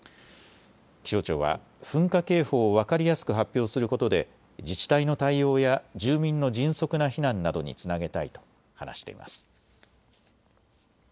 気象庁は噴火警報を分かりやすく発表することで自治体の対応や住民の迅速な避難などにつなげたいと話しています。